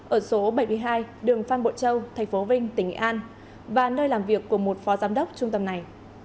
ở số bảy mươi hai đường phan bộ châu thành phố vinh tỉnh nghệ an và nơi làm việc của một phó giám đốc trung tâm này